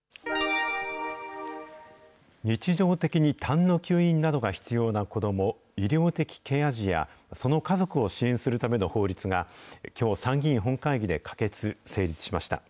日常的にたんの吸引などが必要な子ども、医療的ケア児や、その家族を支援するための法律が、きょう参議院本会議で可決・成立しました。